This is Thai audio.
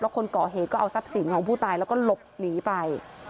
คนก่อเหตุก็เอาทรัพย์สินของผู้ตายแล้วก็หลบหนีไป